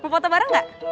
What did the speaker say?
mau foto bareng gak